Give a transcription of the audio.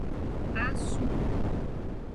Assu